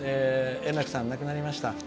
円楽さん、亡くなりました。